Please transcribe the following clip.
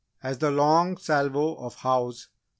As the long salvo of "Hows!"